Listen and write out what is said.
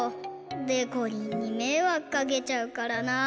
でこりんにめいわくかけちゃうからなあ。